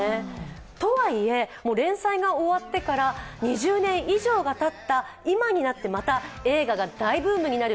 とはいえ、連載が終わってから２０年以上がたった今になってまた映画が大ブームになる。